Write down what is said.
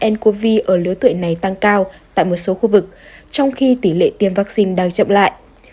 ncov ở lứa tuổi này tăng cao tại một số khu vực trong khi tỷ lệ tiêm vaccine đang chậm lại